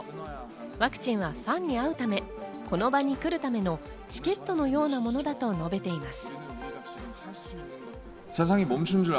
ワクチンはファンに会うため、この場に来るための、チケットのようなものだと述べています。